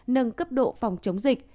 nâng cấp độ phòng chống dịch